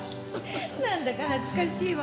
なんだか恥ずかしいわ。